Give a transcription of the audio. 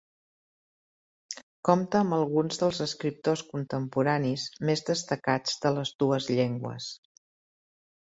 Compta amb alguns dels escriptors contemporanis més destacats de les dues llengües.